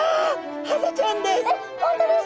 ハゼちゃんです。